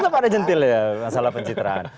tetap ada jentil ya masalah pencitraan